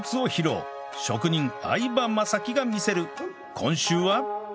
今週は